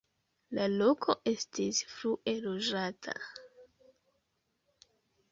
La loko estis frue loĝata.